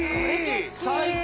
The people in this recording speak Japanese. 最高。